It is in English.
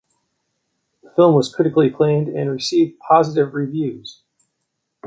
The film was critically acclaimed and received positive reviews.